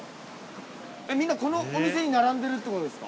みんなこのお店に並んでるってことですか？